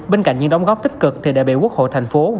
bên cạnh những đóng góp tích cực thì đại biểu quốc hội tp hcm